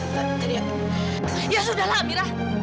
saya sudah ingat